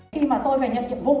khi mà tôi về nhận nhiệm vụ